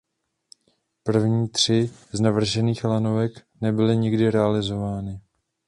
První tři z navržených lanovek nebyly nikdy realizovány.